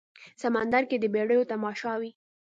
سمندر کې د بیړیو تماشا وي